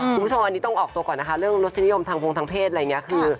คุณผู้ชมอันนี้ต้องออกตัวก่อนนะคะเรื่องรสนิยมทางพงทางเพศอะไรอย่างนี้คือ